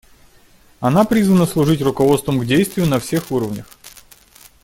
Она призвана служить руководством к действию на всех уровнях.